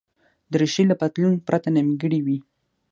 دریشي له پتلون پرته نیمګړې وي.